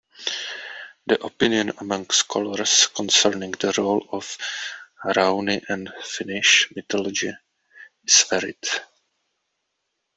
The opinion among scholars concerning the role of Rauni in Finnish mythology is varied.